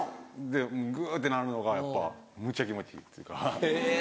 でグってなるのがやっぱむっちゃ気持ちいいというか。